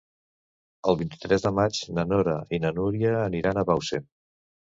El vint-i-tres de maig na Nora i na Núria aniran a Bausen.